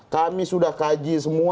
kami sudah kaji semua